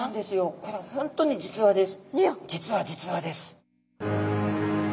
これ本当に実話です。